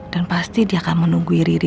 pasti dia akan menunggu riri